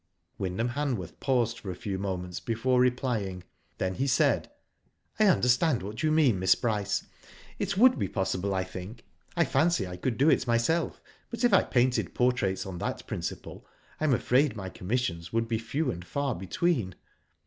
Wyndham Hanworth paused for a few moments before replying. Then he said :*' I understand what you mean. Miss Bryce. It would be possible, I think. I fancy I could do it myself, but if I painted portraits on that principle, I am afraid my commissions would be few and far between.